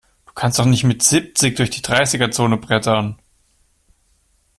Du kannst doch nicht mit siebzig durch die Dreißiger-Zone brettern!